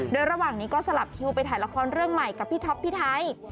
โดยระหว่างนี้ก็สลับคิวไปถ่ายละครเรื่องใหม่กับพี่ท็อปพี่ไทย